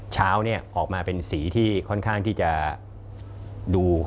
เช้าออกมาเป็นสีที่ค่อนข้างที่จะดู